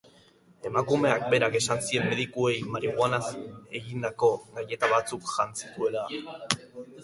Emakumeak berak esan zien medikuei marihuanaz egindako gaileta batzuk jan zituela.